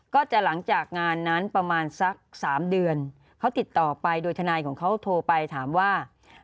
ก็จะหลังจากงานนั้นประมาณสัก๓เดือนเขาติดต่อไปโดยทนายของเขาโทรไปถามว่า